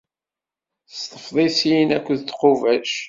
S tefḍisin akked tqubac.